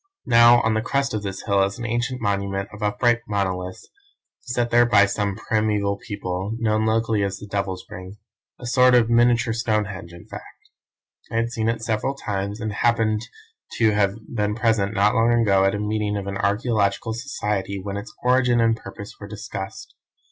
"Now, on the crest of this hill is an ancient monument of upright monoliths set there by some primeval people, known locally as the Devil's Ring a sort of miniature Stonehenge in fact. I had seen it several times, and happened to have been present not long ago at a meeting of an archaeological society when its origin and purpose were discussed.